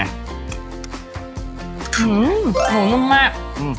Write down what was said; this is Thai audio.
อื้มหมูนุ่มมาก